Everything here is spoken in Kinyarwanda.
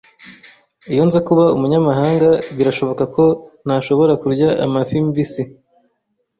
Iyo nza kuba umunyamahanga, birashoboka ko ntashobora kurya amafi mbisi.